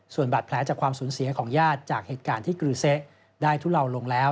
ส่วนบาดแผลจากความสูญเสียของญาติจากเหตุการณ์ที่กรือเซะได้ทุเลาลงแล้ว